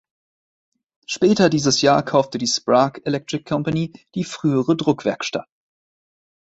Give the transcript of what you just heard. Später dieses Jahr kaufte die Sprague Electric Company die frühere Druckwerkstatt.